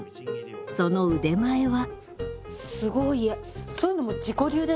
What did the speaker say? その腕前は。